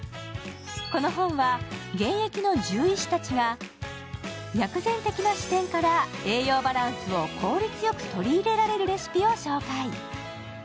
この本は、現役の獣医師たちが薬膳的な視点から栄養バランスを効率よく取り入れられるレシピを紹介。